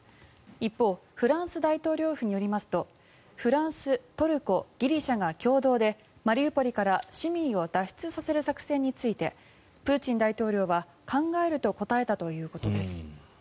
一方、フランス大統領府によりますとフランス、トルコ、ギリシャが共同でマリウポリから市民を脱出させる作戦についてプーチン大統領は考えると答えたということです。